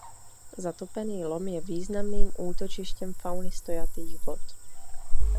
Zatopený lom je významným útočištěm fauny stojatých vod.